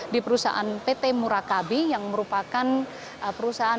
di perusahaan pt murakabi yang merupakan perusahaan